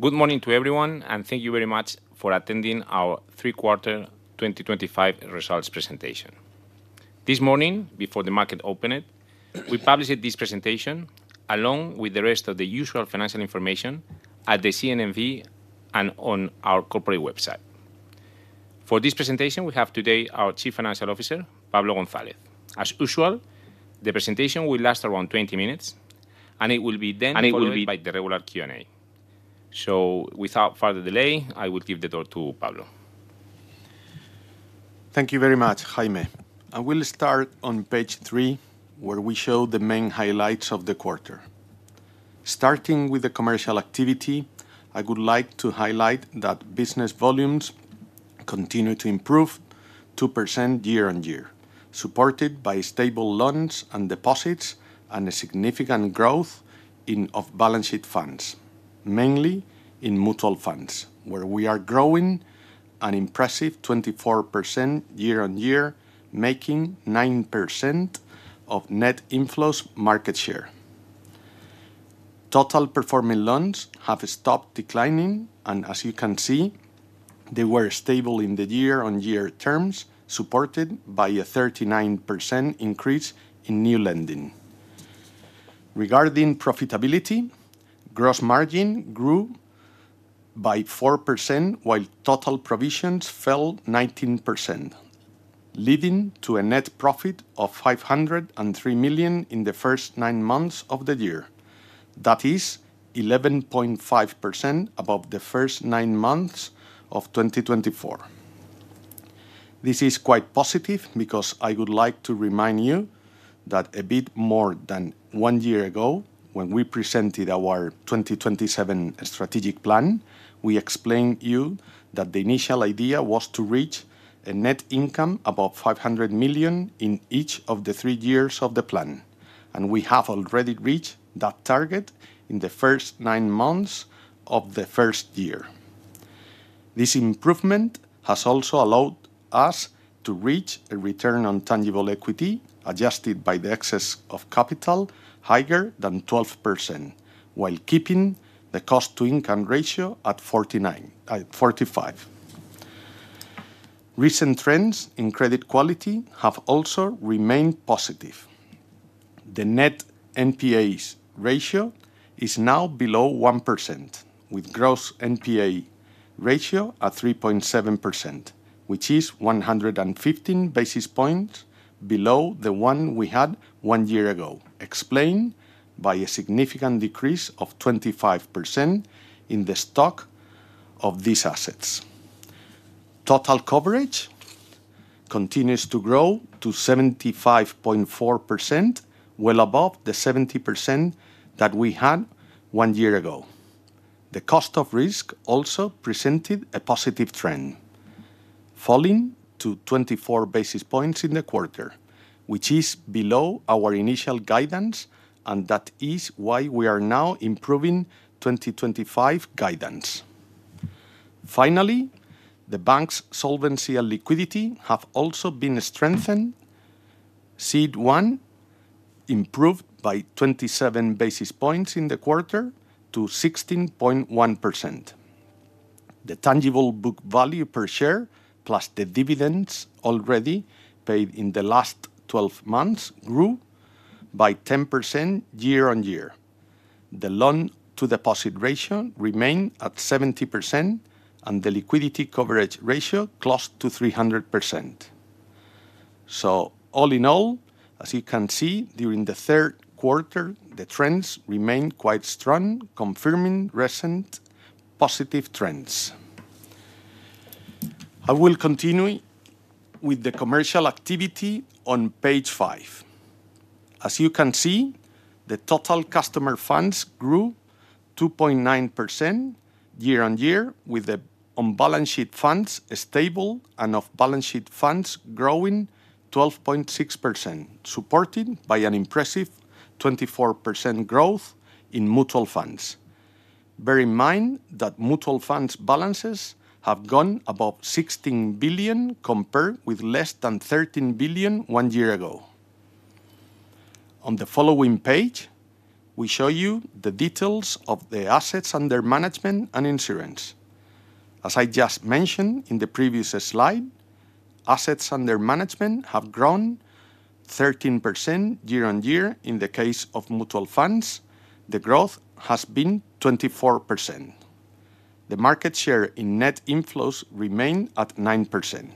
Good morning to everyone, and thank you very much for attending our three-quarter 2025 results presentation. This morning, before the market opened, we published this presentation along with the rest of the usual financial information at the CNMV and on our corporate website. For this presentation, we have today our Chief Financial Officer, Pablo Gonzalez. As usual, the presentation will last around 20 minutes, and it will be then followed by the regular Q&A. Without further delay, I will give the floor to Pablo. Thank you very much, Jaime. We'll start on page three, where we show the main highlights of the quarter. Starting with the commercial activity, I would like to highlight that business volumes continue to improve 2% year-on-year, supported by stable loans and deposits and a significant growth in off-balance sheet funds, mainly in mutual funds, where we are growing an impressive 24% year-on-year, making 9% of net inflows market share. Total performing loans have stopped declining, and as you can see, they were stable in the year-on-year terms, supported by a 39% increase in new lending. Regarding profitability, gross margin grew by 4%, while total provisions fell 19%, leading to a net profit of 503 million in the first nine months of the year, that is 11.5% above the first nine months of 2023. This is quite positive because I would like to remind you that a bit more than one year ago, when we presented our 2027 strategic plan, we explained to you that the initial idea was to reach a net income above 500 million in each of the three years of the plan, and we have already reached that target in the first nine months of the first year. This improvement has also allowed us to reach a return on tangible equity adjusted by the excess of capital higher than 12%, while keeping the cost-to-income ratio at 45%. Recent trends in credit quality have also remained positive. The net NPA ratio is now below 1%, with gross NPA ratio at 3.7%, which is 115 basis points below the one we had one year ago, explained by a significant decrease of 25% in the stock of these assets. Total coverage continues to grow to 75.4%, well above the 70% that we had one year ago. The cost of risk also presented a positive trend, falling to 24 basis points in the quarter, which is below our initial guidance, and that is why we are now improving 2025 guidance. Finally, the bank's solvency and liquidity have also been strengthened. CET1 fully loaded ratio improved by 27 basis points in the quarter to 16.1%. The tangible book value per share, plus the dividends already paid in the last 12 months, grew by 10% year-on-year. The loan-to-deposit ratio remained at 70%, and the liquidity coverage ratio closed to 300%. All in all, as you can see, during the third quarter, the trends remained quite strong, confirming recent positive trends. I will continue with the commercial activity on page five. As you can see, the total customer funds grew 2.9%. year-on-year, with the on-balance sheet funds stable and off-balance sheet funds growing 12.6%, supported by an impressive 24% growth in mutual funds. Bear in mind that mutual funds balances have gone above 16 billion, compared with less than 13 billion one year ago. On the following page, we show you the details of the assets under management and insurance. As I just mentioned in the previous slide, assets under management have grown 13% year-on-year. In the case of mutual funds, the growth has been 24%. The market share in net inflows remained at 9%.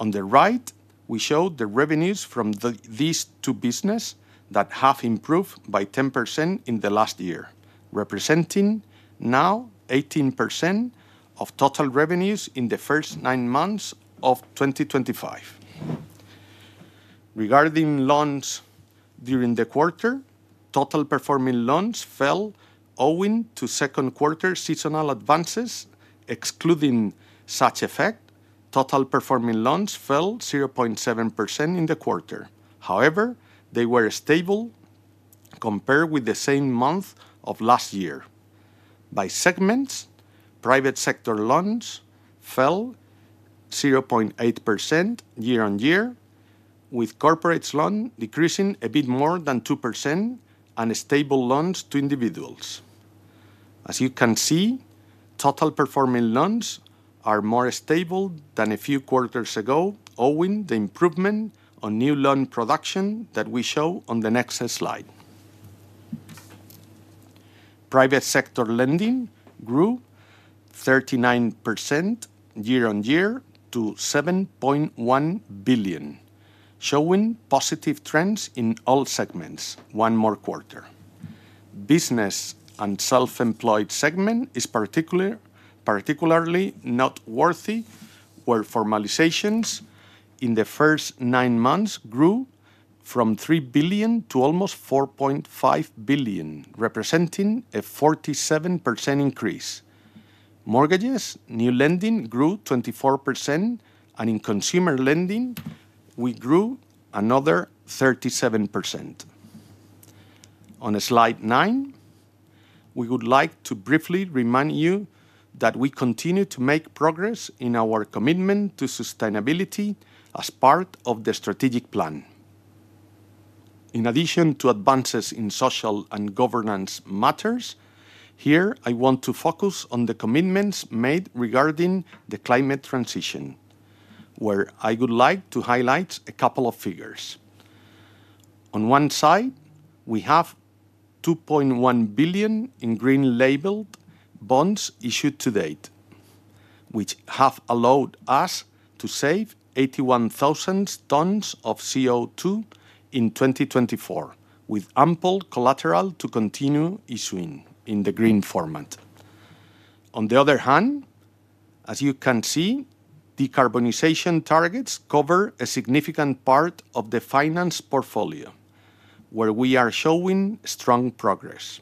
On the right, we show the revenues from these two businesses that have improved by 10% in the last year, representing now 18% of total revenues in the first nine months of 2025. Regarding loans during the quarter, total performing loans fell owing to second-quarter seasonal advances. Excluding such effect, total performing loans fell 0.7% in the quarter. However, they were stable compared with the same month of last year. By segments, private sector loans fell 0.8% year-on-year, with corporate loans decreasing a bit more than 2% and stable loans to individuals. As you can see, total performing loans are more stable than a few quarters ago, owing to the improvement on new loan production that we show on the next slide. Private sector lending grew 39% year-on-year to 7.1 billion, showing positive trends in all segments one more quarter. Business and self-employed segment is particularly noteworthy, where formalizations in the first nine months grew from 3 billion to almost 4.5 billion, representing a 47% increase. Mortgages and new lending grew 24%, and in consumer lending, we grew another 37%. On slide nine, we would like to briefly remind you that we continue to make progress in our commitment to sustainability as part of the strategic plan. In addition to advances in social and governance matters, here I want to focus on the commitments made regarding the climate transition, where I would like to highlight a couple of figures. On one side, we have 2.1 billion in green-labeled bonds issued to date, which have allowed us to save 81,000 tons of CO2 in 2024, with ample collateral to continue issuing in the green format. On the other hand, as you can see, decarbonization targets cover a significant part of the finance portfolio, where we are showing strong progress.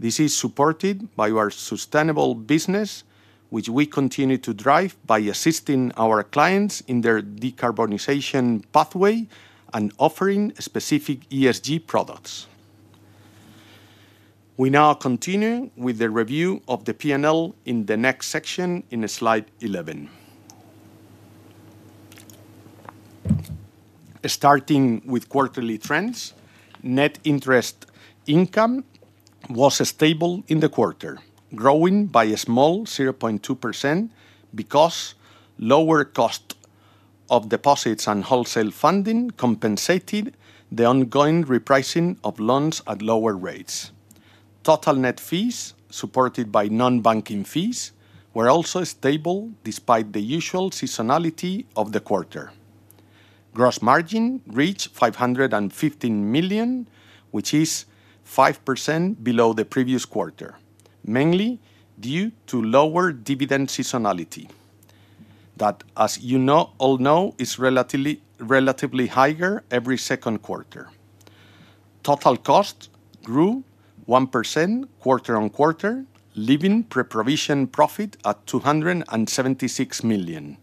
This is supported by our sustainable business, which we continue to drive by assisting our clients in their decarbonization pathway and offering specific ESG products. We now continue with the review of the P&L in the next section in slide 11. Starting with quarterly trends, net interest income was stable in the quarter, growing by a small 0.2% because lower cost of deposits and wholesale funding compensated the ongoing repricing of loans at lower rates. Total net fees, supported by non-banking fees, were also stable despite the usual seasonality of the quarter. Gross margin reached 515 million, which is 5% below the previous quarter, mainly due to lower dividend seasonality. That, as you all know, is relatively higher every second quarter. Total cost grew 1% quarter on quarter, leaving pre-provision profit at 276 million.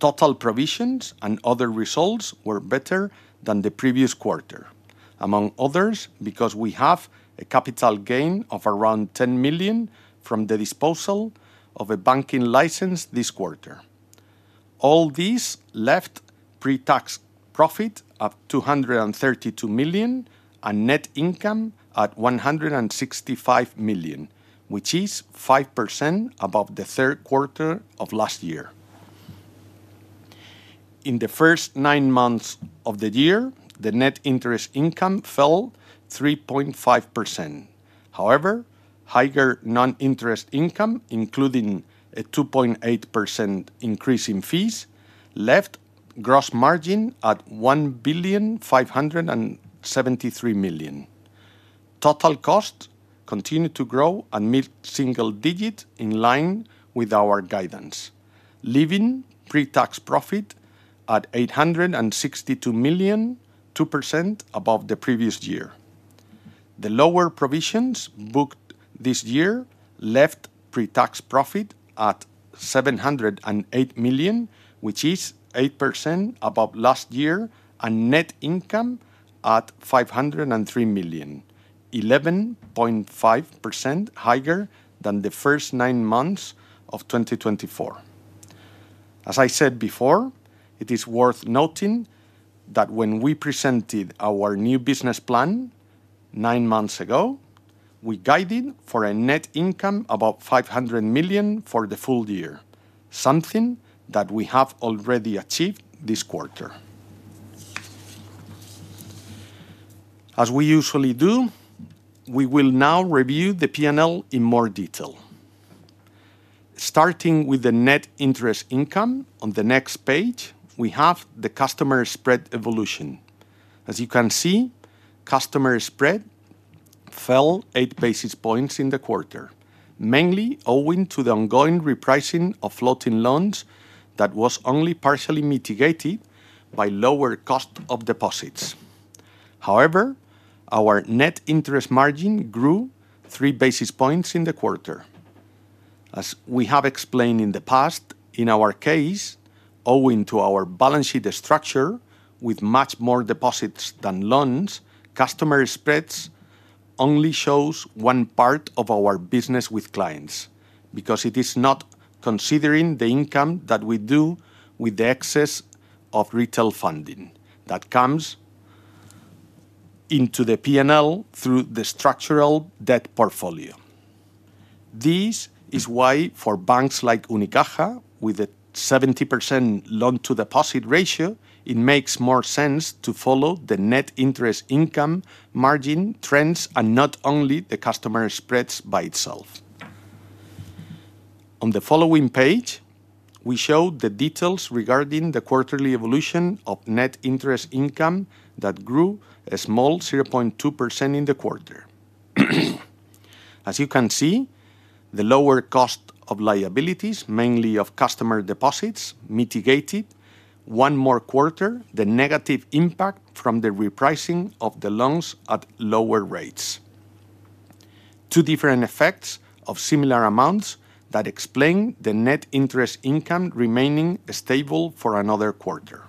Total provisions and other results were better than the previous quarter, among others because we have a capital gain of around 10 million from the disposal of a banking license this quarter. All these left pre-tax profit at 232 million and net income at 165 million, which is 5% above the third quarter of last year. In the first nine months of the year, the net interest income fell 3.5%. However, higher non-interest income, including a 2.8% increase in fees, left gross margin at 1,573,000,00. Total cost continued to grow and meet single digits in line with our guidance, leaving pre-tax profit at 862 million, 2% above the previous year. The lower provisions booked this year left pre-tax profit at 708 million, which is 8% above last year, and net income at 503 million, 11.5% higher than the first nine months of 2024. As I said before, it is worth noting that when we presented our new business plan nine months ago, we guided for a net income above 500 million for the full year, something that we have already achieved this quarter. As we usually do, we will now review the P&L in more detail. Starting with the net interest income, on the next page, we have the customer spread evolution. As you can see, customer spread fell 8 basis points in the quarter, mainly owing to the ongoing repricing of floating loans that was only partially mitigated by lower cost of deposits. However, our net interest margin grew 3 basis points in the quarter. As we have explained in the past, in our case, owing to our balance sheet structure with much more deposits than loans, customer spreads only show one part of our business with clients because it is not considering the income that we do with the excess of retail funding that comes into the P&L through the structural debt portfolio. This is why, for banks like Unicaja Banco, with a 70% loan-to-deposit ratio, it makes more sense to follow the net interest income margin trends and not only the customer spreads by itself. On the following page, we show the details regarding the quarterly evolution of net interest income that grew a small 0.2% in the quarter. As you can see, the lower cost of liabilities, mainly of customer deposits, mitigated one more quarter the negative impact from the repricing of the loans at lower rates. Two different effects of similar amounts explain the net interest income remaining stable for another quarter.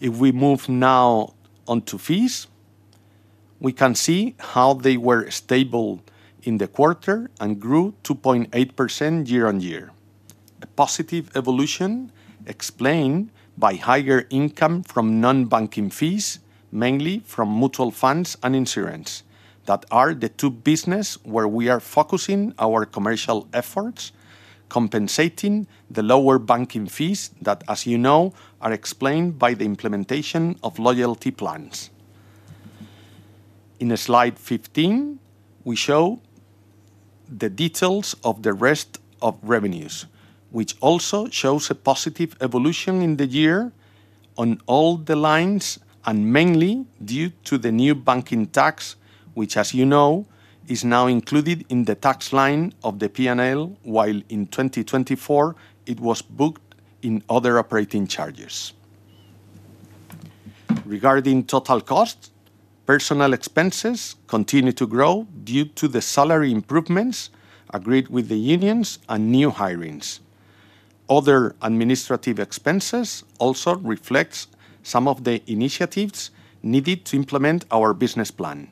If we move now on to fees, we can see how they were stable in the quarter and grew 2.8% year-on-year, a positive evolution explained by higher income from non-banking fees, mainly from mutual funds and insurance, that are the two businesses where we are focusing our commercial efforts, compensating the lower banking fees that, as you know, are explained by the implementation of loyalty plans. In slide 15, we show the details of the rest of revenues, which also shows a positive evolution in the year on all the lines, and mainly due to the new banking tax, which, as you know, is now included in the tax line of the P&L, while in 2024 it was booked in other operating charges. Regarding total cost, personnel expenses continue to grow due to the salary improvements agreed with the unions and new hirings. Other administrative expenses also reflect some of the initiatives needed to implement our business plan,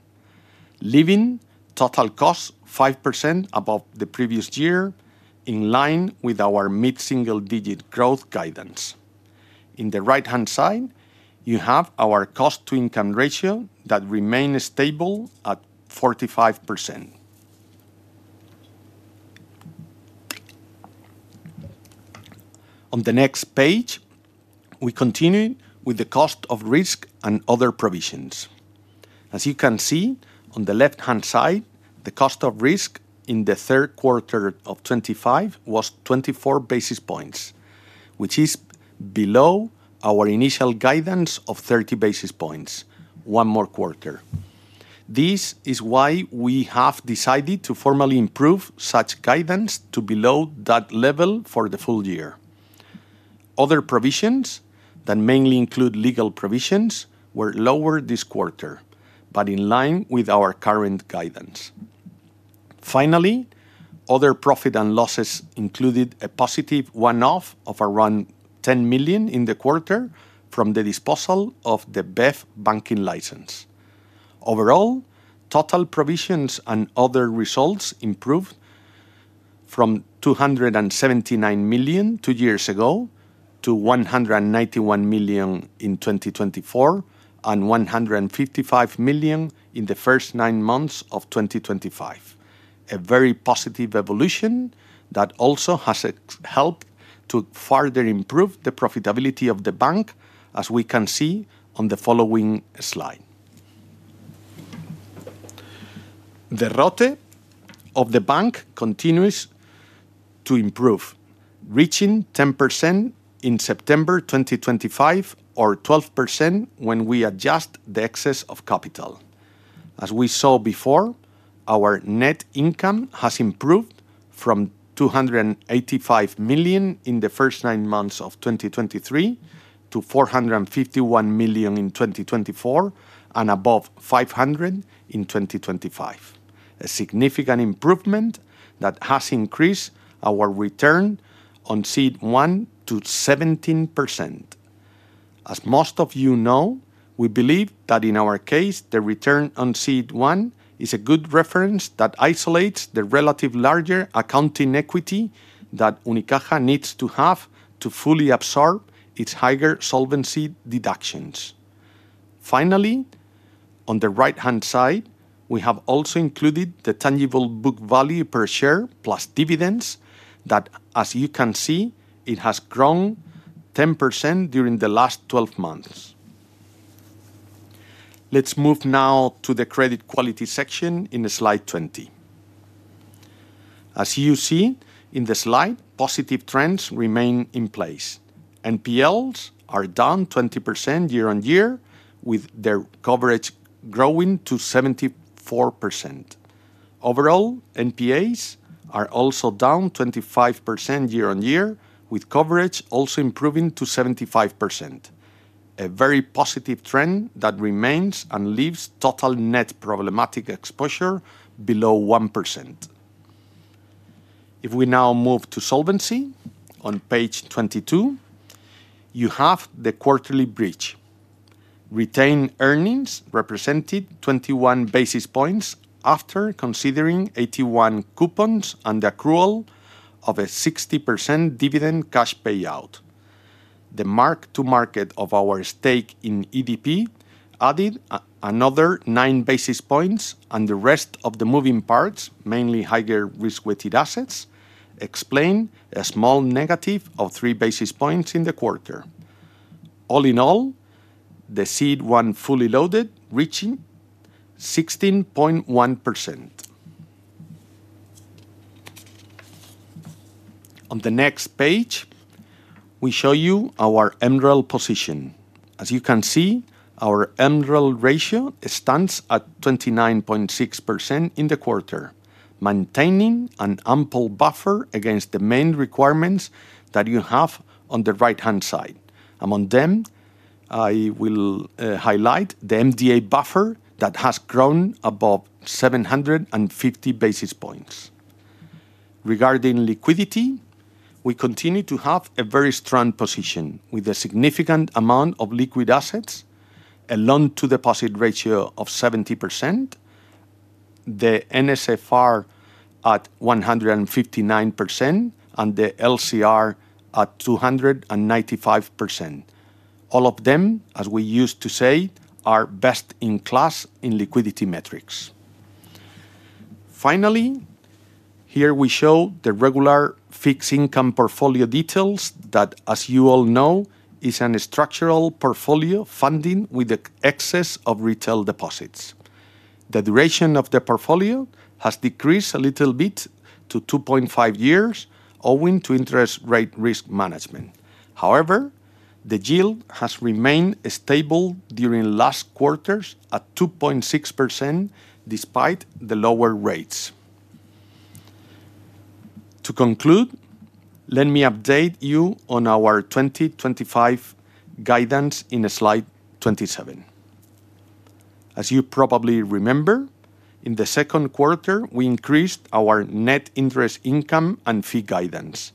leaving total cost 5% above the previous year, in line with our mid-single digit growth guidance. On the right-hand side, you have our cost-to-income ratio that remains stable at 45%. On the next page, we continue with the cost of risk and other provisions. As you can see, on the left-hand side, the cost of risk in the third quarter of 2025 was 24 basis points, which is below our initial guidance of 30 basis points one more quarter. This is why we have decided to formally improve such guidance to below that level for the full year. Other provisions that mainly include legal provisions were lower this quarter, but in line with our current guidance. Finally, other profit and losses included a positive one-off of around 10 million in the quarter from the disposal of the BEF banking license. Overall, total provisions and other results improved from 279 million two years ago to 191 million in 2024 and 155 million in the first nine months of 2025. A very positive evolution that also has helped to further improve the profitability of the bank, as we can see on the following slide. The return on tangible equity of the bank continues to improve, reaching 10% in September 2025 or 12% when we adjust the excess of capital. As we saw before, our net income has improved from 285 million in the first nine months of 2023 to 451 million in 2024 and above 500 million in 2025, a significant improvement that has increased our return on CET1 to 17%. As most of you know, we believe that in our case, the return on CET1 is a good reference that isolates the relative larger accounting equity that Unicaja needs to have to fully absorb its higher solvency deductions. Finally, on the right-hand side, we have also included the tangible book value per share plus dividends that, as you can see, has grown 10% during the last 12 months. Let's move now to the credit quality section in slide 20. As you see in the slide, positive trends remain in place. NPLs are down 20% year-on-year, with their coverage growing to 74%. Overall, NPAs are also down 25% year-on-year, with coverage also improving to 75%. A very positive trend that remains and leaves total net problematic exposure below 1%. If we now move to solvency, on page 22, you have the quarterly bridge. Retained earnings represented 21 basis points after considering AT1 coupons and the accrual of a 60% dividend cash payout. The mark-to-market of our stake in EDP added another 9 basis points, and the rest of the moving parts, mainly higher risk-weighted assets, explain a small negative of 3 basis points in the quarter. All in all, the CET1 fully loaded reaching 16.1%. On the next page, we show you our MREL position. As you can see, our MREL ratio stands at 29.6% in the quarter, maintaining an ample buffer against the main requirements that you have on the right-hand side. Among them, I will highlight the MDA buffer that has grown above 750 basis points. Regarding liquidity, we continue to have a very strong position with a significant amount of liquid assets, a loan-to-deposit ratio of 70%. The NSFR at 159%, and the LCR at 295%. All of them, as we used to say, are best in class in liquidity metrics. Finally, here we show the regular fixed income portfolio details that, as you all know, is a structural portfolio funding with the excess of retail deposits. The duration of the portfolio has decreased a little bit to 2.5 years, owing to interest rate risk management. However, the yield has remained stable during last quarters at 2.6% despite the lower rates. To conclude, let me update you on our 2025 guidance in slide 27. As you probably remember, in the second quarter, we increased our net interest income and fee guidance.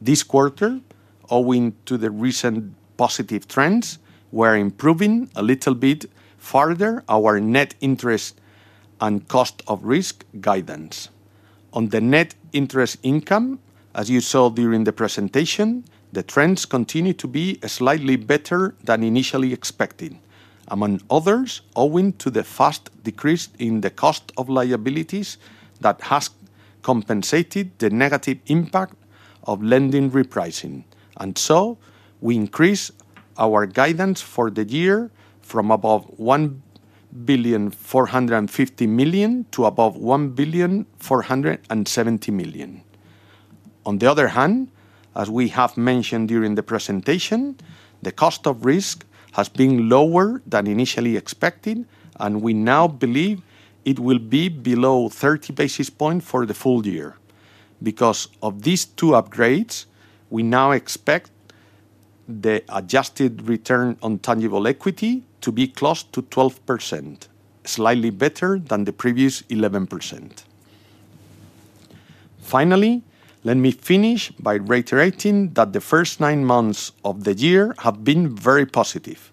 This quarter, owing to the recent positive trends, we're improving a little bit further our net interest and cost of risk guidance. On the net interest income, as you saw during the presentation, the trends continue to be slightly better than initially expected, among others owing to the fast decrease in the cost of liabilities that has compensated the negative impact of lending repricing. We increased our guidance for the year from above 1,450,000,00 to above 1,470,000,00. On the other hand, as we have mentioned during the presentation, the cost of risk has been lower than initially expected, and we now believe it will be below 30 basis points for the full year. Because of these two upgrades, we now expect the adjusted return on tangible equity to be close to 12%, slightly better than the previous 11%. Finally, let me finish by reiterating that the first nine months of the year have been very positive.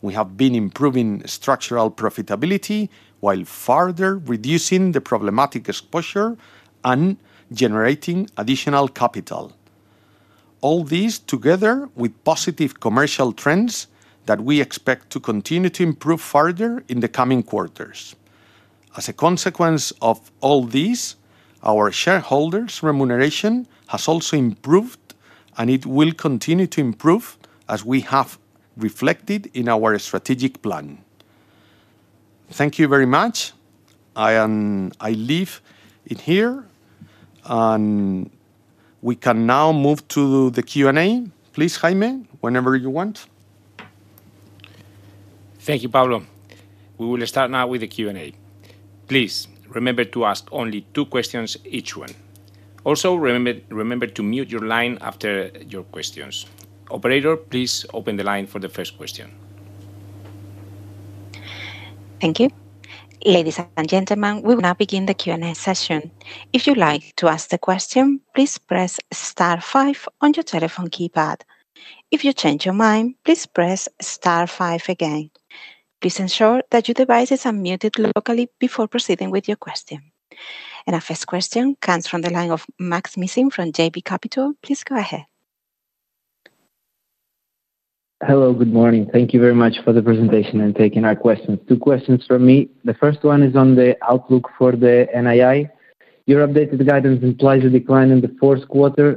We have been improving structural profitability while further reducing the problematic exposure and generating additional capital. All this together with positive commercial trends that we expect to continue to improve further in the coming quarters. As a consequence of all this, our shareholders' remuneration has also improved, and it will continue to improve as we have reflected in our strategic plan. Thank you very much. I leave it here. We can now move to the Q&A. Please, Jaime, whenever you want. Thank you, Pablo. We will start now with the Q&A. Please remember to ask only two questions, each one. Also, remember to mute your line after your questions. Operator, please open the line for the first question. Thank you. Ladies and gentlemen, we will now begin the Q&A session. If you'd like to ask the question, please press star five on your telephone keypad. If you change your mind, please press star five again. Please ensure that your device is unmuted locally before proceeding with your question. Our first question comes from the line of Maksym Mishyn from JB Capital. Please go ahead. Hello, good morning. Thank you very much for the presentation and taking our questions. Two questions from me. The first one is on the outlook for the NII. Your updated guidance implies a decline in the fourth quarter.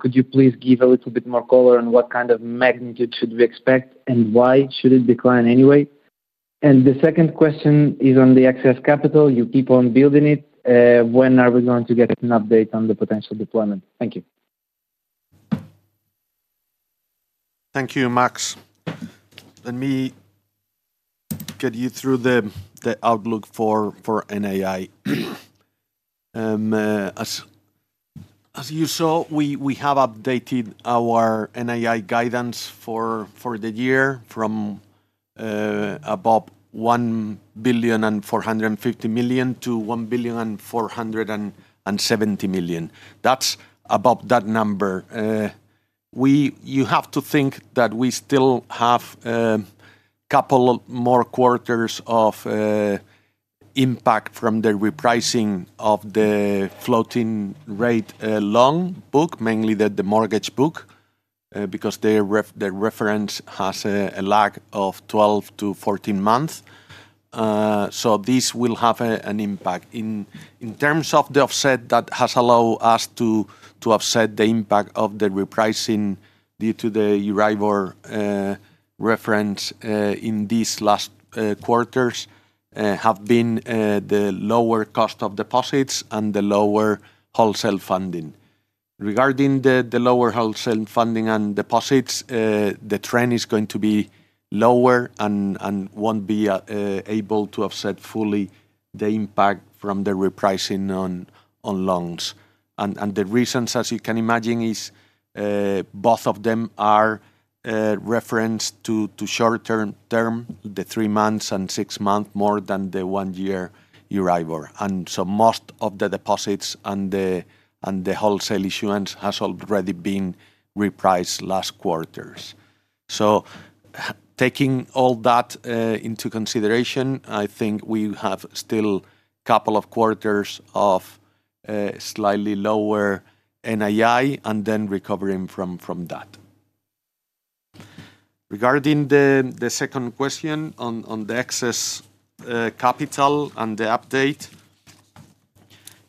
Could you please give a little bit more color on what kind of magnitude should we expect and why should it decline anyway? The second question is on the excess capital. You keep on building it. When are we going to get an update on the potential deployment? Thank you. Thank you, Maksym. Let me get you through the outlook for NII. As you saw, we have updated our NII guidance for the year from above 1,450,000,000 to 1,470,000,000. That's above that number. You have to think that we still have a couple more quarters of impact from the repricing of the floating rate loan book, mainly the mortgage book, because the reference has a lag of 12 to 14 months. This will have an impact. In terms of the offset that has allowed us to offset the impact of the repricing due to the Euribor reference in these last quarters, it has been the lower cost of deposits and the lower wholesale funding. Regarding the lower wholesale funding and deposits, the trend is going to be lower and won't be able to offset fully the impact from the repricing on loans. The reasons, as you can imagine, are both of them are referenced to short-term, the three months and six months more than the one-year Euribor. Most of the deposits and the wholesale issuance has already been repriced last quarters. Taking all that into consideration, I think we have still a couple of quarters of slightly lower NII and then recovering from that. Regarding the second question on the excess capital and the update,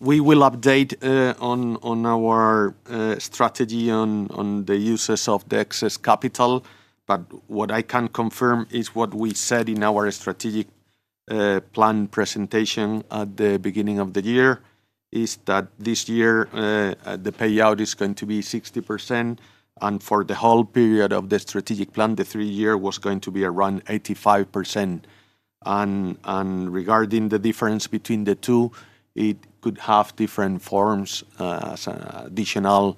we will update on our strategy on the uses of the excess capital, but what I can confirm is what we said in our strategic plan presentation at the beginning of the year, is that this year the payout is going to be 60%. For the whole period of the strategic plan, the three-year was going to be around 85%. Regarding the difference between the two, it could have different forms. As an additional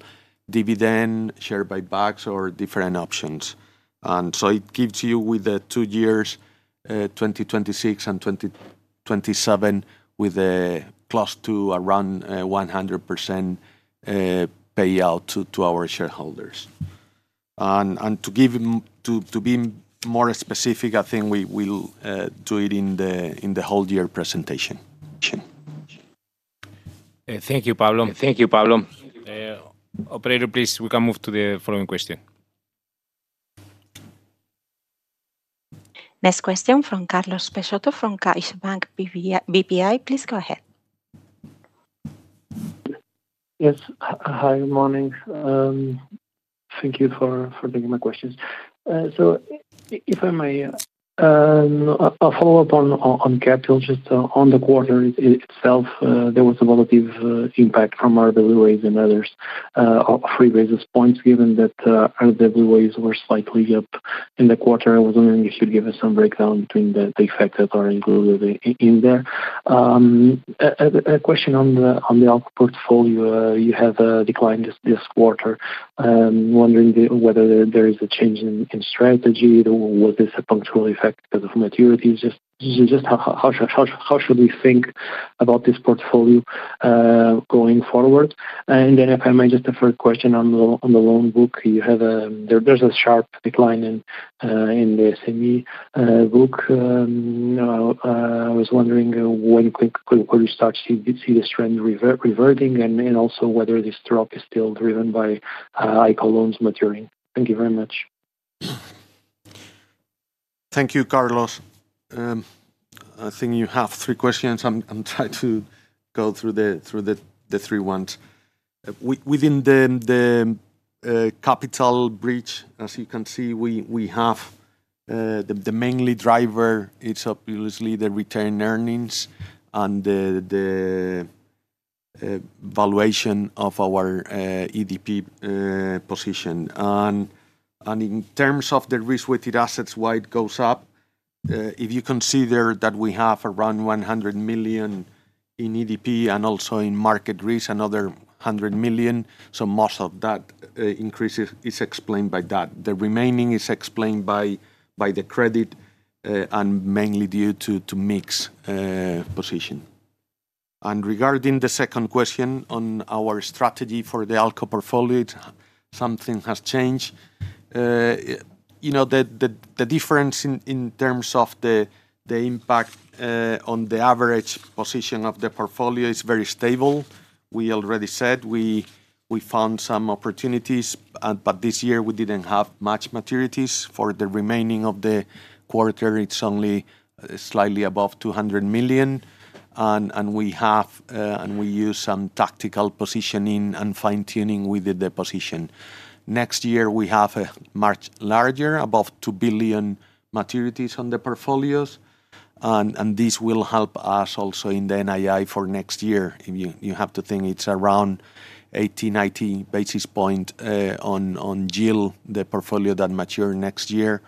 dividend, share by banks, or different options. It gives you with the two years, 2026 and 2027, with a close to around 100% payout to our shareholders. To be more specific, I think we will do it in the whole-year presentation. Thank you, Pablo. Operator, please, we can move to the following question. Next question from Carlos Peixoto from CaixaBank BPI. Please go ahead. Yes. Hi, good morning. Thank you for taking my questions. If I may, a follow-up on capital, just on the quarter itself, there was a relative impact from RWAs and others. Three basis points, given that RWAs were slightly up in the quarter. I was wondering if you'd give us some breakdown between the effects that are included in there. A question on the output portfolio. You have a decline this quarter. Wondering whether there is a change in strategy. Was this a punctual effect because of maturity? How should we think about this portfolio going forward? If I may, just a further question on the loan book. There's a sharp decline in the SME book. I was wondering when could we start to see the strength reverting and also whether this drop is still driven by ICO loans maturing. Thank you very much. Thank you, Carlos. I think you have three questions. I'll try to go through the three ones. Within the capital breach, as you can see, we have the mainly driver is obviously the return earnings and the valuation of our EDP position. In terms of the risk-weighted assets, why it goes up, if you consider that we have around 100 million in EDP and also in market risk, another 100 million, so most of that increase is explained by that. The remaining is explained by the credit and mainly due to mix position. Regarding the second question on our strategy for the ICO portfolio, something has changed. The difference in terms of the impact on the average position of the portfolio is very stable. We already said we found some opportunities, but this year we didn't have much maturities. For the remaining of the quarter, it's only slightly above 200 million. We use some tactical positioning and fine-tuning with the position. Next year, we have a much larger, above 2 billion maturities on the portfolios. This will help us also in the NII for next year. You have to think it's around 80 basis points, 90 basis points on yield, the portfolio that matures next year.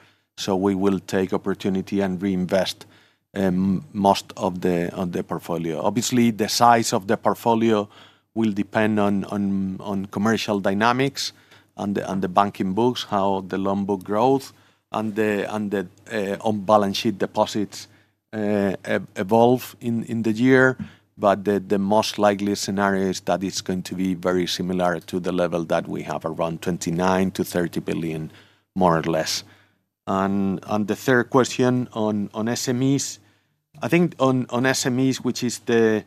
We will take opportunity and reinvest most of the portfolio. Obviously, the size of the portfolio will depend on commercial dynamics and the banking books, how the loan book growth and the on-balance sheet deposits evolve in the year. The most likely scenario is that it's going to be very similar to the level that we have, around 29 billion-30 billion, more or less. The third question on SMEs, I think on SMEs, which is the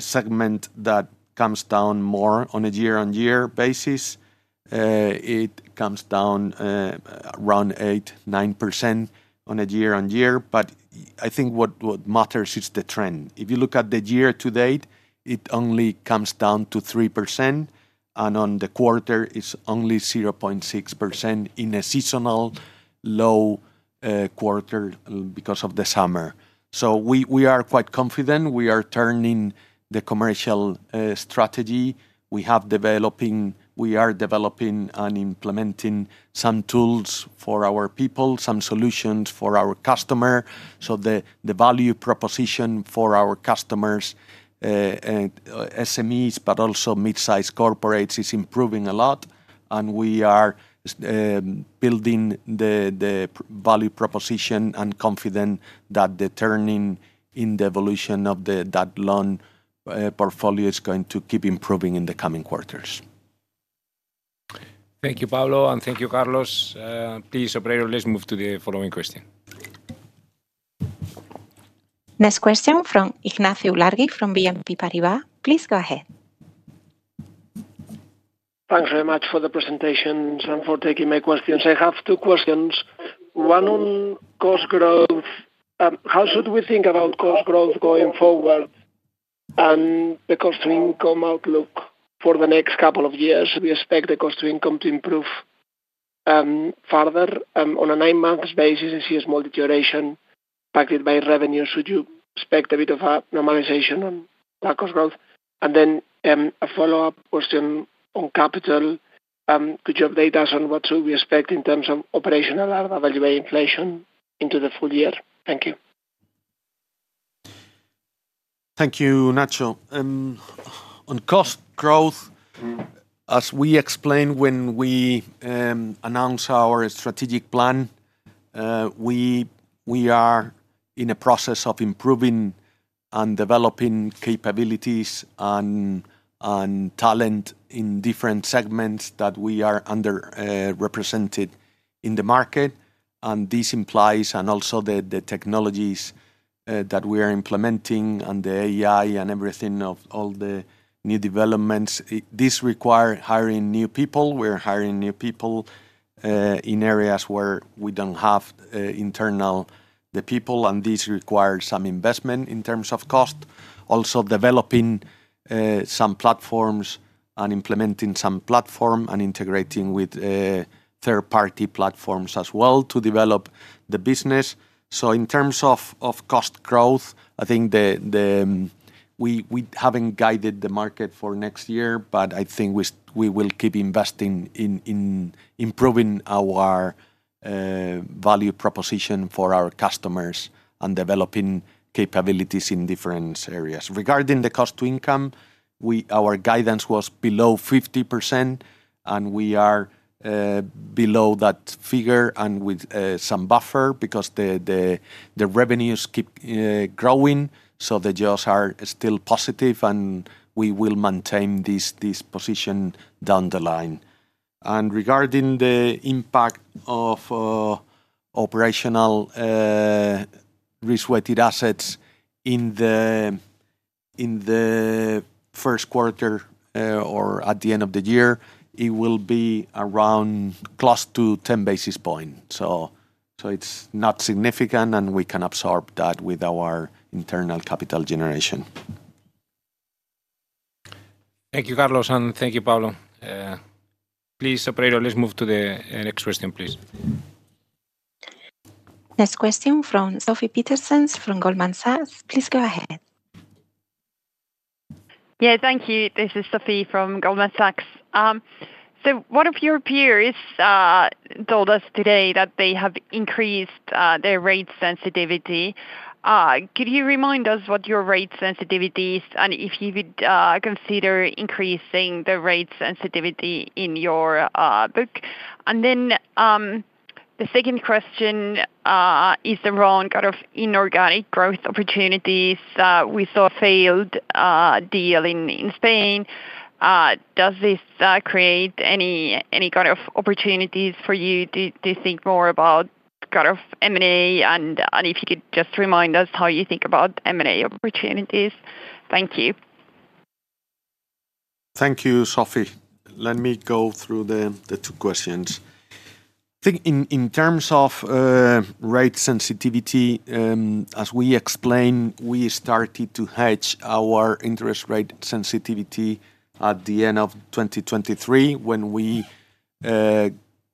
segment that comes down more on a year-on-year basis, it comes down around 8%, 9% on a year-on-year. I think what matters is the trend. If you look at the year to date, it only comes down to 3%. On the quarter, it's only 0.6% in a seasonal low quarter because of the summer. We are quite confident. We are turning the commercial strategy. We are developing and implementing some tools for our people, some solutions for our customers. The value proposition for our customers, SMEs, but also mid-size corporates, is improving a lot. We are building the value proposition and confident that the turning in the evolution of that loan portfolio is going to keep improving in the coming quarters. Thank you, Pablo, and thank you, Carlos. Please, operator, let's move to the following question. Next question from Ignacio Ulargui from BNP Paribas. Please go ahead. Thanks very much for the presentations and for taking my questions. I have two questions. One on cost growth. How should we think about cost growth going forward? The cost-to-income outlook for the next couple of years, we expect the cost-to-income to improve further on a nine-month basis and see a small deterioration impacted by revenue. Should you expect a bit of normalization on that cost growth? A follow-up question on capital. Could you update us on what should we expect in terms of operational RWA inflation into the full year? Thank you. Thank you, Ignacio. On cost growth, as we explained when we announced our strategic plan, we are in a process of improving and developing capabilities and talent in different segments that we are underrepresented in the market. This implies also the technologies that we are implementing and the AI and everything of all the new developments. This requires hiring new people. We're hiring new people in areas where we don't have internal people, and this requires some investment in terms of cost. Also developing some platforms and implementing some platform and integrating with third-party platforms as well to develop the business. In terms of cost growth, I think. We haven't guided the market for next year, but I think we will keep investing in improving our value proposition for our customers and developing capabilities in different areas. Regarding the cost-to-income, our guidance was below 50%, and we are below that figure and with some buffer because the revenues keep growing. The jobs are still positive, and we will maintain this position down the line. Regarding the impact of operational risk-weighted assets in the first quarter or at the end of the year, it will be around close to 10 basis points. It's not significant, and we can absorb that with our internal capital generation. Thank you, Carlos, and thank you, Pablo. Please, operator, let's move to the next question, please. Next question from Sofie Peterzens from Goldman Sachs. Please go ahead. Yeah, thank you. This is Sofie from Goldman Sachs. One of your peers told us today that they have increased their rate sensitivity. Could you remind us what your rate sensitivity is and if you would consider increasing the rate sensitivity in your book? The second question is around kind of inorganic growth opportunities. We saw a failed deal in Spain. Does this create any kind of opportunities for you to think more about M&A? If you could just remind us how you think about M&A opportunities. Thank you. Thank you, Sofie. Let me go through the two questions. I think in terms of rate sensitivity, as we explained, we started to hedge our interest rate sensitivity at the end of 2023 when we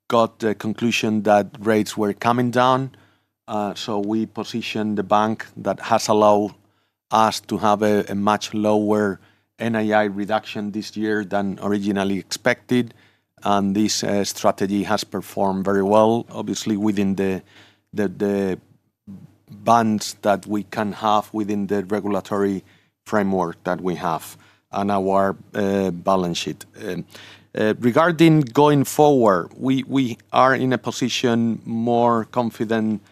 got the conclusion that rates were coming down. We positioned the bank that has allowed us to have a much lower NII reduction this year than originally expected. This strategy has performed very well, obviously, within the bands that we can have within the regulatory framework that we have and our balance sheet. Regarding going forward, we are in a position more confident.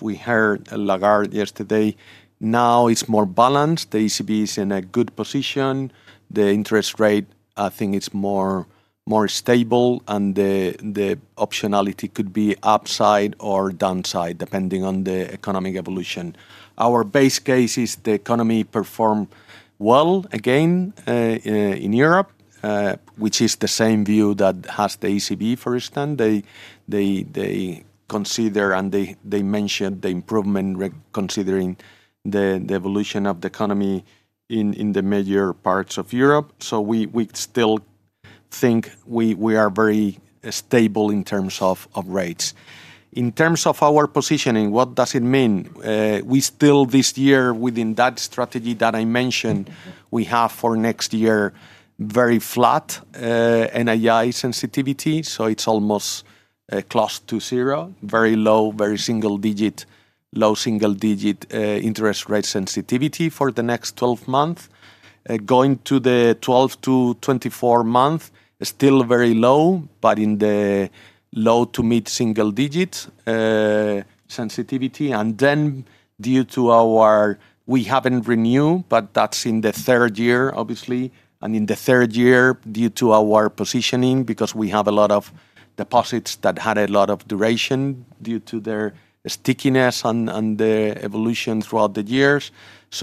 We heard Lagarde yesterday. Now it's more balanced. The ECB is in a good position. The interest rate, I think, is more stable, and the optionality could be upside or downside depending on the economic evolution. Our base case is the economy performed well again in Europe, which is the same view that has the ECB, for instance. They consider and they mentioned the improvement considering the evolution of the economy in the major parts of Europe. We still think we are very stable in terms of rates. In terms of our positioning, what does it mean? We still, this year, within that strategy that I mentioned, we have for next year very flat NII sensitivity. It's almost close to zero, very low, very single-digit, low single-digit interest rate sensitivity for the next 12 months. Going to the 12 to 24 months, still very low, but in the low to mid-single-digit sensitivity. In the third year, due to our positioning, because we have a lot of deposits that had a lot of duration due to their stickiness and the evolution throughout the years,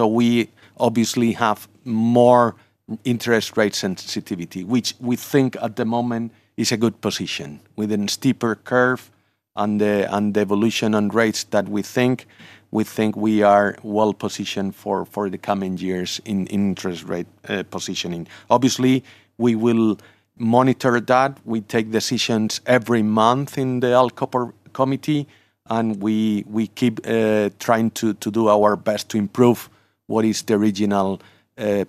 we obviously have more interest rate sensitivity, which we think at the moment is a good position. With a steeper curve and the evolution on rates that we think, we think we are well positioned for the coming years in interest rate positioning. We will monitor that. We take decisions every month in the ICO Committee, and we keep trying to do our best to improve what is the original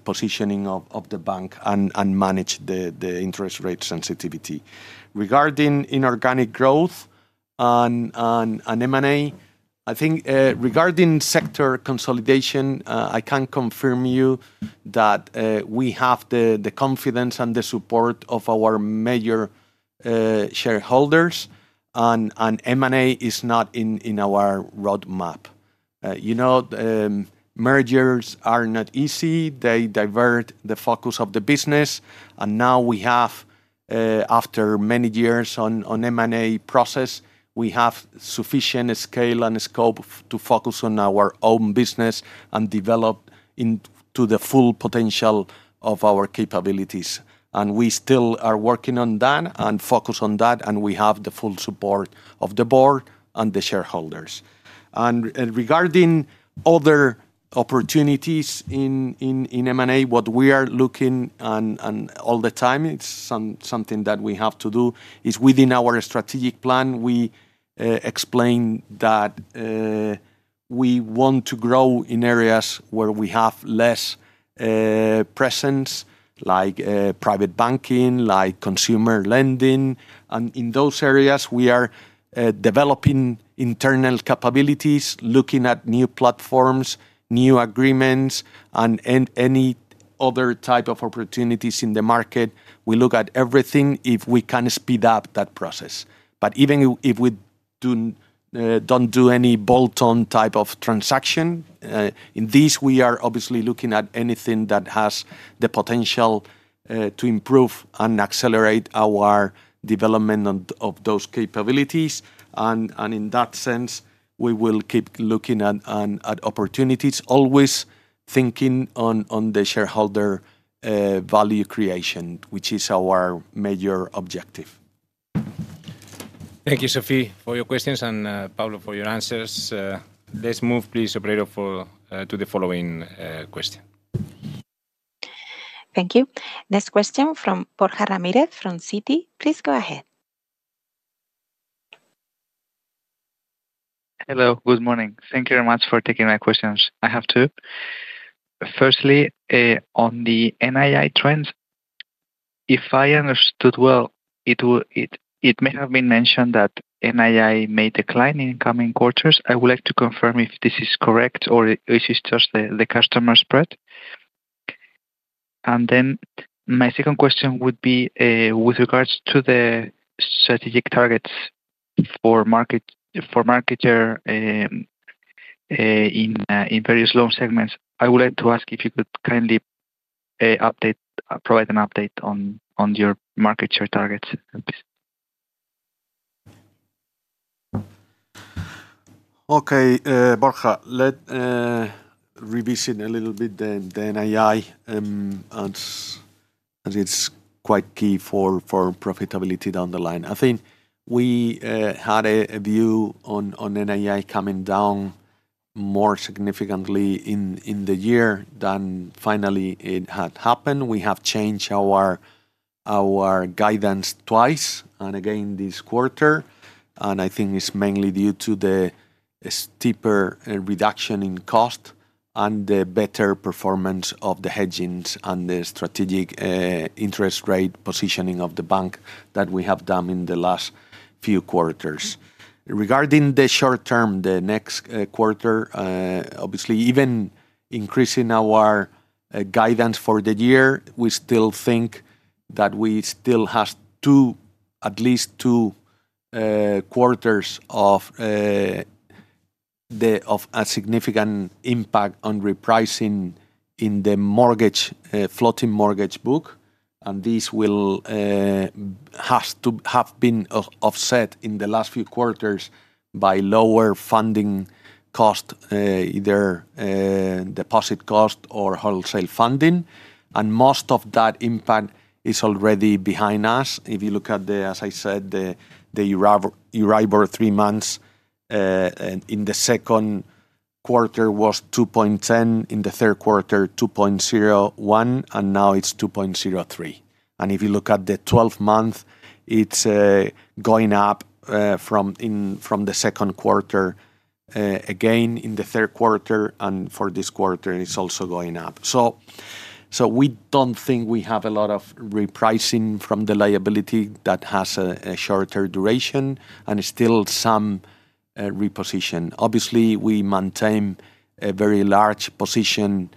positioning of the bank and manage the interest rate sensitivity. Regarding inorganic growth and M&A, I think regarding sector consolidation, I can confirm you that we have the confidence and the support of our major shareholders, and M&A is not in our roadmap. Mergers are not easy. They divert the focus of the business. Now we have, after many years on the M&A process, sufficient scale and scope to focus on our own business and develop to the full potential of our capabilities. We still are working on that and focus on that, and we have the full support of the board and the shareholders. Regarding other opportunities in M&A, what we are looking at all the time, it's something that we have to do, is within our strategic plan. We explain that we want to grow in areas where we have less presence, like private banking, like consumer lending. In those areas, we are developing internal capabilities, looking at new platforms, new agreements, and any other type of opportunities in the market. We look at everything if we can speed up that process. Even if we don't do any bolt-on type of transaction in this, we are obviously looking at anything that has the potential to improve and accelerate our development of those capabilities. In that sense, we will keep looking at opportunities, always thinking on the shareholder value creation, which is our major objective. Thank you, Sofie, for your questions and Pablo for your answers. Let's move, please, operator, to the following question. Thank you. Next question from Borja Ramirez from Citi. Please go ahead. Hello, good morning. Thank you very much for taking my questions. I have two. Firstly, on the NII trends, if I understood well, it may have been mentioned that NII may decline in coming quarters. I would like to confirm if this is correct or if it's just the customer spread. My second question would be with regards to the strategic targets for market share in various loan segments. I would like to ask if you could kindly provide an update on your market share targets. Okay, Borja, let's revisit a little bit the NII as it's quite key for profitability down the line. I think we had a view on NII coming down more significantly in the year than finally it had happened. We have changed our guidance twice and again this quarter, and I think it's mainly due to the steeper reduction in cost and the better performance of the hedgings and the strategic interest rate positioning of the bank that we have done in the last few quarters. Regarding the short term, the next quarter, obviously, even increasing our guidance for the year, we still think that we still have at least two quarters of a significant impact on repricing in the floating mortgage book. This has to have been offset in the last few quarters by lower funding cost, either deposit cost or wholesale funding, and most of that impact is already behind us. If you look at the, as I said, the Euribor three months, in the second quarter was 2.10, in the third quarter, 2.01, and now it's 2.03. If you look at the 12 months, it's going up from the second quarter, again in the third quarter, and for this quarter, it's also going up. We don't think we have a lot of repricing from the liability that has a shorter duration and still some reposition. Obviously, we maintain a very large position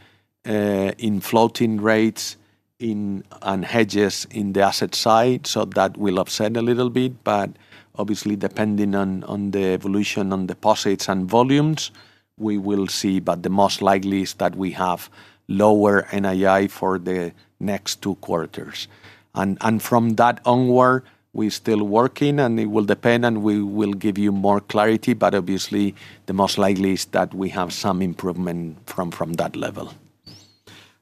in floating rates and hedges in the asset side, so that will offset a little bit. Obviously, depending on the evolution on deposits and volumes, we will see. The most likely is that we have lower NII for the next two quarters. From that onward, we're still working, and it will depend, and we will give you more clarity. The most likely is that we have some improvement from that level.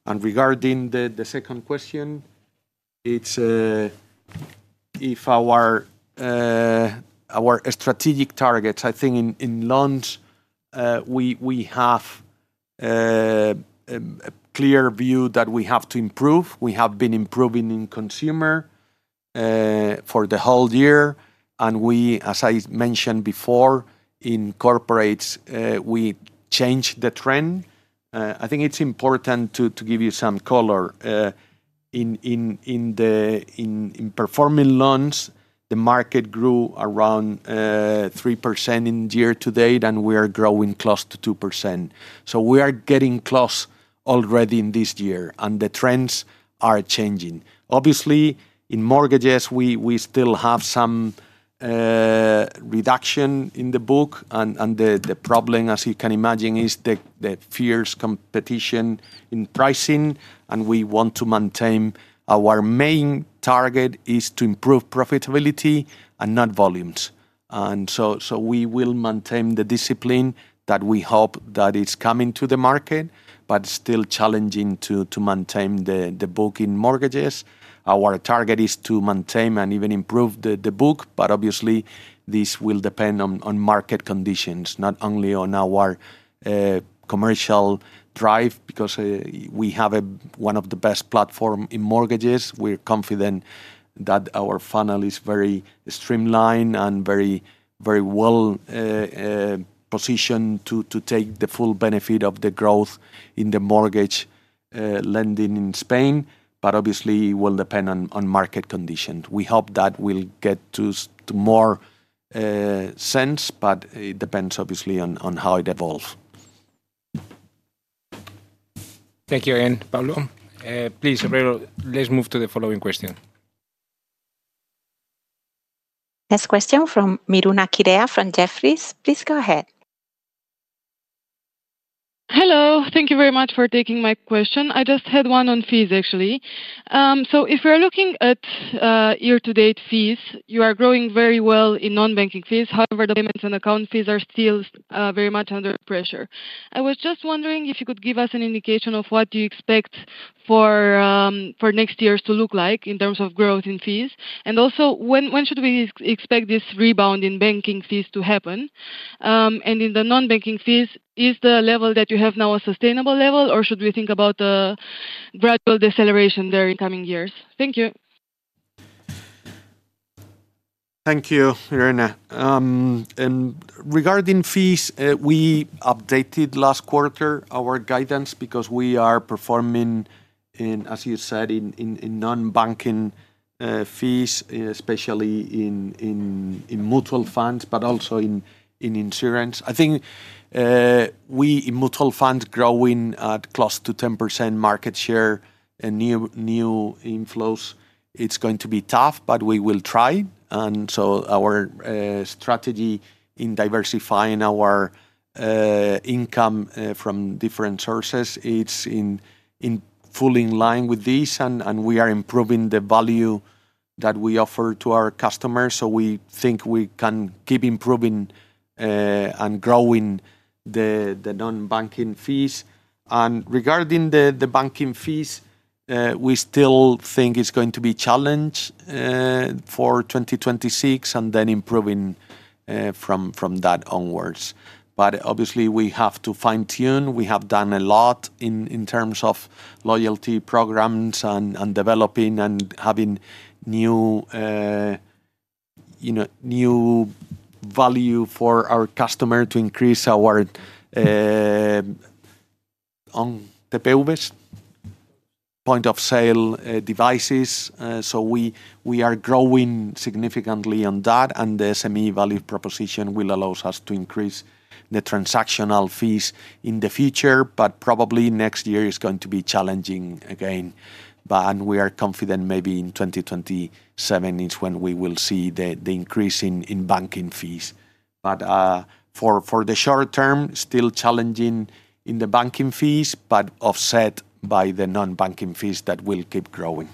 Regarding the second question, if our strategic targets, I think in loans, we have a clear view that we have to improve. We have been improving in consumer for the whole year. As I mentioned before, in corporates, we changed the trend. I think it's important to give you some color. In performing loans, the market grew around 3% year to date, and we are growing close to 2%. We are getting close already in this year, and the trends are changing. Obviously, in mortgages, we still have some reduction in the book, and the problem, as you can imagine, is the fierce competition in pricing. We want to maintain our main target, which is to improve profitability and not volumes. We will maintain the discipline that we hope is coming to the market, but it is still challenging to maintain the book in mortgages. Our target is to maintain and even improve the book, but obviously, this will depend on market conditions, not only on our commercial drive, because we have one of the best platforms in mortgages. We're confident that our funnel is very streamlined and very well positioned to take the full benefit of the growth in mortgage lending in Spain. Obviously, it will depend on market conditions. We hope that we'll get to more sense, but it depends obviously on how it evolves. Thank you, Ayaan, Pablo. Please, let's move to the following question. Next question from Miruna Chirea from Jefferies. Please go ahead. Hello, thank you very much for taking my question. I just had one on fees, actually. If we're looking at year-to-date fees, you are growing very well in non-banking fees. However, the payments and account fees are still very much under pressure. I was just wondering if you could give us an indication of what you expect for next year to look like in terms of growth in fees. Also, when should we expect this rebound in banking fees to happen? In the non-banking fees, is the level that you have now a sustainable level, or should we think about a gradual deceleration there in coming years? Thank you. Thank you, Miruna. Regarding fees, we updated last quarter our guidance because we are performing, as you said, in non-banking fees, especially in mutual funds, but also in insurance. I think we in mutual funds are growing at close to 10% market share and new inflows. It's going to be tough, but we will try. Our strategy in diversifying our income from different sources is fully in line with this, and we are improving the value that we offer to our customers. We think we can keep improving and growing the non-banking fees. Regarding the banking fees, we still think it's going to be a challenge for 2026 and then improving from that onwards. Obviously, we have to fine-tune. We have done a lot in terms of loyalty programs and developing and having new value for our customer to increase our TPUs, point of sale devices. We are growing significantly on that, and the SME value proposition will allow us to increase the transactional fees in the future. Probably next year is going to be challenging again. We are confident maybe in 2027 is when we will see the increase in banking fees. For the short term, still challenging in the banking fees, but offset by the non-banking fees that will keep growing.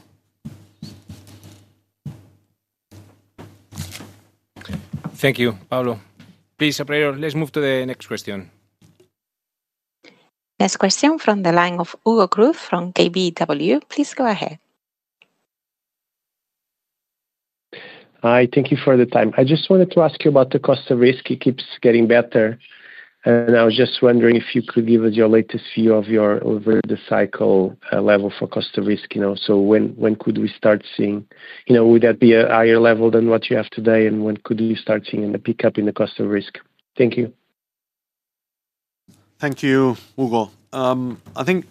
Thank you, Pablo. Please, operator, let's move to the next question. Next question from the line of Hugo Cruz from KBW. Please go ahead. Hi, thank you for the time. I just wanted to ask you about the cost of risk. It keeps getting better. I was just wondering if you could give us your latest view of your over-the-cycle level for cost of risk. When could we start seeing? Would that be a higher level than what you have today, and when could you start seeing a pickup in the cost of risk? Thank you. Thank you, Hugo. I think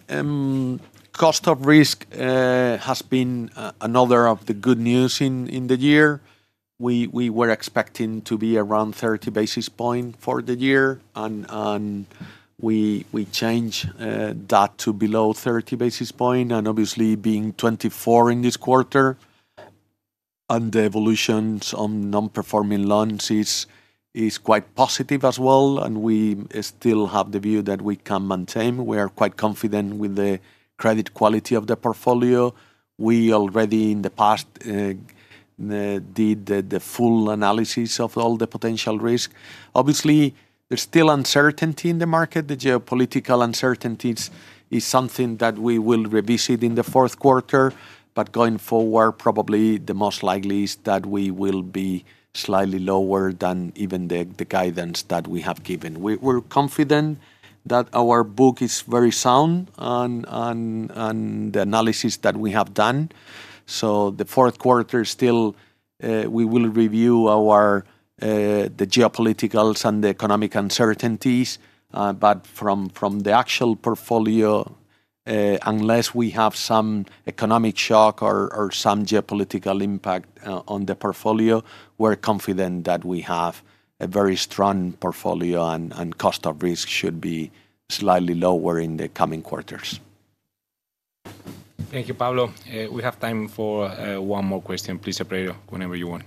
cost of risk has been another of the good news in the year. We were expecting to be around 30 basis points for the year, and we changed that to below 30 basis points. Obviously, being 24 in this quarter, and the evolution on non-performing loans is quite positive as well. We still have the view that we can maintain. We are quite confident with the credit quality of the portfolio. We already in the past did the full analysis of all the potential risk. Obviously, there's still uncertainty in the market. The geopolitical uncertainty is something that we will revisit in the fourth quarter. Going forward, probably the most likely is that we will be slightly lower than even the guidance that we have given. We're confident that our book is very sound and the analysis that we have done. The fourth quarter, still, we will review the geopoliticals and the economic uncertainties. From the actual portfolio, unless we have some economic shock or some geopolitical impact on the portfolio, we're confident that we have a very strong portfolio and cost of risk should be slightly lower in the coming quarters. Thank you, Pablo. We have time for one more question. Please, operator, whenever you want.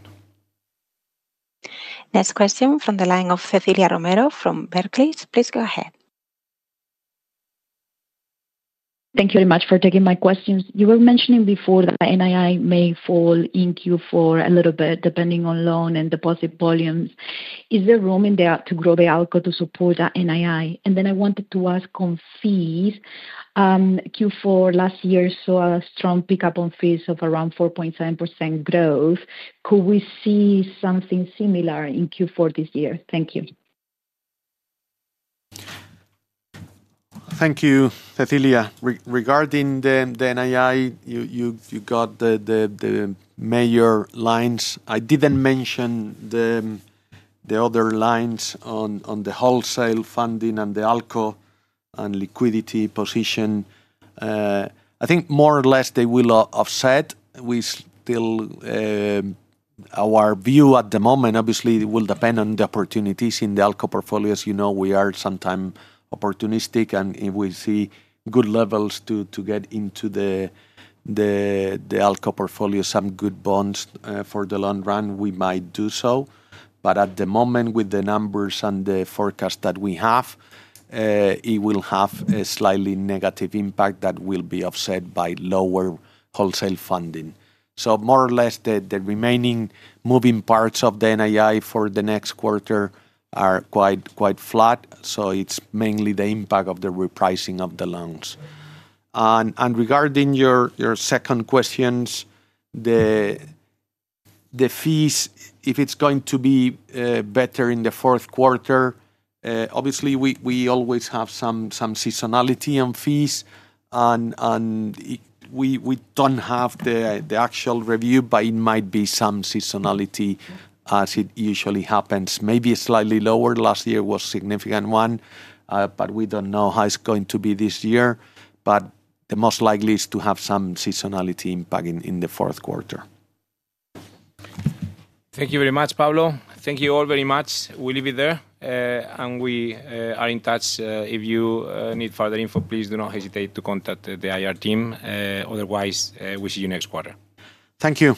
Next question from the line of Cecilia Romero from Berkeley. Please go ahead. Thank you very much for taking my questions. You were mentioning before that NII may fall in Q4 a little bit depending on loan and deposit volumes. Is there room in there to grow the outlook to support that NII? I wanted to ask on fees. Q4 last year saw a strong pickup on fees of around 4.7% growth. Could we see something similar in Q4 this year? Thank you. Thank you, Cecilia. Regarding the NII, you got the major lines. I didn't mention the other lines on the wholesale funding and the ALCO and liquidity position. I think more or less they will offset. Our view at the moment, obviously, will depend on the opportunities in the ALCO portfolio. As you know, we are sometimes opportunistic, and if we see good levels to get into the ALCO portfolio, some good bonds for the long run, we might do so. At the moment, with the numbers and the forecast that we have, it will have a slightly negative impact that will be offset by lower wholesale funding. More or less, the remaining moving parts of the NII for the next quarter are quite flat. It's mainly the impact of the repricing of the loans. Regarding your second question, the fees, if it's going to be better in the fourth quarter, obviously, we always have some seasonality on fees. We don't have the actual review, but it might be some seasonality as it usually happens. Maybe slightly lower. Last year was a significant one, but we don't know how it's going to be this year. The most likely is to have some seasonality impact in the fourth quarter. Thank you very much, Pablo. Thank you all very much. We'll leave it there, and we are in touch. If you need further info, please do not hesitate to contact the IR team. Otherwise, we see you next quarter. Thank you.